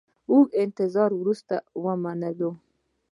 اوږده انتظار وروسته ومنلو.